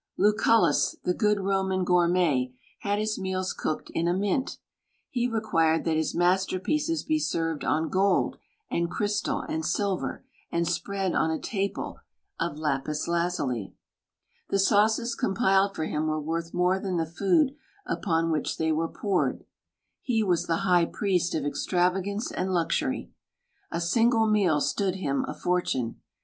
Luciillus; the good Roman goitriiietj had his rneals cooked in a mint. He required that his masterpieces be served 6n gold and silver arid fcfystal, and spread on a table of lapis lazuli. The sauces coriipilfed for hirii were wbrth more than the fbod updri which fhfey were pbiired. He vi'as the high jiriest of extravdgaiice and liixiiry. A Single rrieal stodd him a fdrturie.